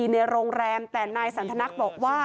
ในโรงแรมแต่นายสันทนักบอกว่า